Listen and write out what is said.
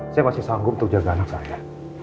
saya masih sanggup untuk jaga anak saya